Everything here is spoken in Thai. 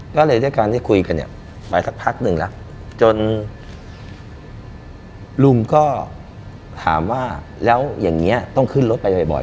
ก็เลยด้วยการที่คุยกันเนี่ยไปสักพักหนึ่งแล้วจนลุงก็ถามว่าแล้วอย่างนี้ต้องขึ้นรถไปบ่อย